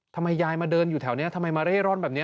ทำไมยายมาเดินอยู่แถวนี้ทำไมมาเร่ร่อนแบบนี้